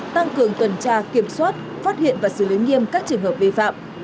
tăng cường tuần tra kiểm soát phát hiện và xử lý nghiêm các trường hợp vi phạm